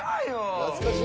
懐かしい！